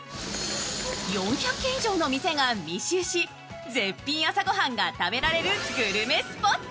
４００軒以上の店が密集し、絶品朝ご飯が食べられるグルメスポット。